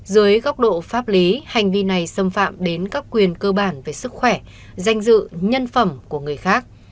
dưới góc độ pháp lý hành vi này xâm phạm đến các quyền cơ bản về sức khỏe danh dự nhân phẩm của người khác